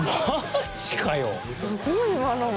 すごい今のも。